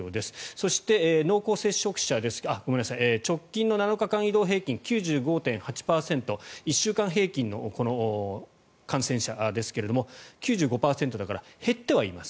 そして直近の７日間移動平均９５．８％１週間平均の感染者ですが９５％だから減ってはいます。